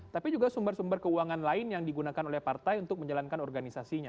tapi juga sumber sumber keuangan lain yang digunakan oleh partai untuk menjalankan organisasinya